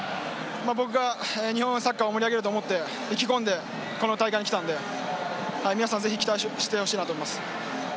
僕が日本サッカーを盛り上げると思って意気込んで、この大会に来たので皆さんぜひ期待してほしいなと思います。